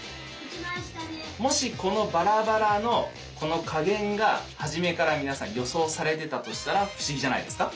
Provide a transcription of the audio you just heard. もしこのバラバラのこの加減が初めから皆さん予想されてたとしたら不思議じゃないですか？